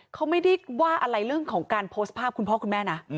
เขาไม่ได้ว่าอะไรเรื่องของการโพสต์ภาพคุณพ่อคุณแม่นะ